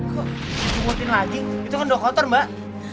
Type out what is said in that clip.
kok dipungutin lagi itu kan sudah kotor mbak